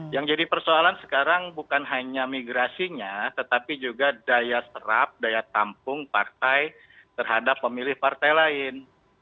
yang jadi persoalan sekarang bukan hanya migrasinya tetapi juga daya serap daya tampung partai terhadap pemilih partai lain